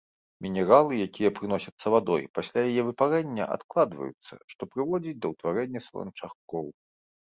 Мінералы, якія прыносяцца вадой, пасля яе выпарэння адкладваюцца, што прыводзіць да ўтварэння саланчакоў.